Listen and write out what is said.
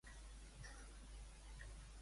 I si em desactives aquest l'endoll intel·ligent?